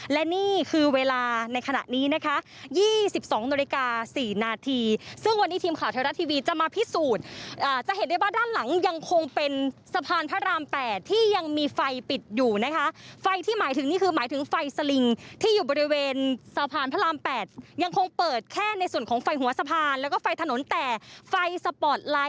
และนี่คือเวลาในขณะนี้นะคะ๒๒นาฬิกา๔นาทีซึ่งวันนี้ทีมข่าวไทยรัฐทีวีจะมาพิสูจน์จะเห็นได้ว่าด้านหลังยังคงเป็นสะพานพระราม๘ที่ยังมีไฟปิดอยู่นะคะไฟที่หมายถึงนี่คือหมายถึงไฟสลิงที่อยู่บริเวณสะพานพระราม๘ยังคงเปิดแค่ในส่วนของไฟหัวสะพานแล้วก็ไฟถนนแต่ไฟสปอร์ตไล